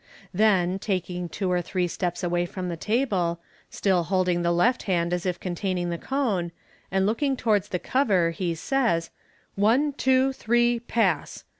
Then, taking two or three steps away from the table, still holding the left hand as if containing the cone, and looking towards the covtT, he says, " One, two, three, Pass